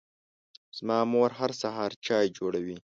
زما مور هر سهار چای جوړوي.